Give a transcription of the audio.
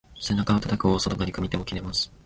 背中をたたく大外刈り、組み手も切れます。